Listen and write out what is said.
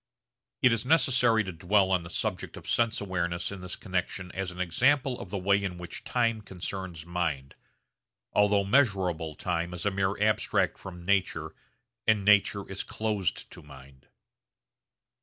It is necessary to dwell on the subject of sense awareness in this connexion as an example of the way in which time concerns mind, although measurable time is a mere abstract from nature and nature is closed to mind.